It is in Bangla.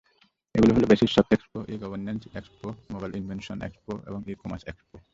এগুলো হলো BASIS soft expo, e-governance expo, mobile innovation expo এবং ই-কমার্স এক্সপো।